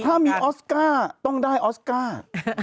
ถ้ามีออสการ์ต้องได้ออสการ์